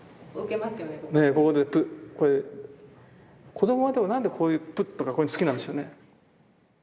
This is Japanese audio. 子どもはでも何でこういう「ぷっ」とかこういうの好きなんでしょうね。